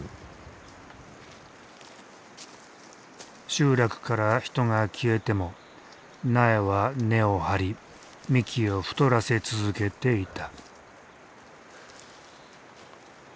集落から人が消えても苗は根を張り幹を太らせ続けていた。